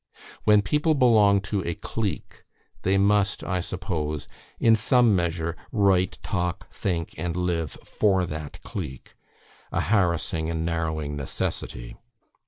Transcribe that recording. When people belong to a clique, they must, I suppose, in some measure, write, talk, think, and live for that clique; a harassing and narrowing necessity.